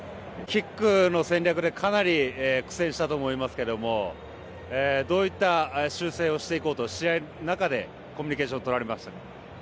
キックの戦略でかなり苦戦したと思いますがどういった修正をしていこうと試合の中でコミュニケーションをとられましたか？